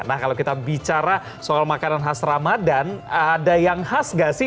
nah kalau kita bicara soal makanan khas ramadan ada yang khas gak sih